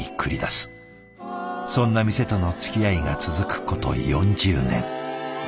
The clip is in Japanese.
そんな店とのつきあいが続くこと４０年。